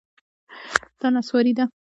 دا نسواري ده